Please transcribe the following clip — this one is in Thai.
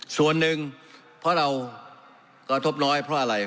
ส่วนหนึ่งเพราะเรากระทบน้อยเพราะอะไร